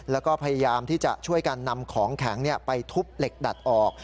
แล้วก็พยายามที่จะช่วยกันนำของแข็งไปทุบเหล็กดัดออก